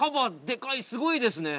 でかいすごいですね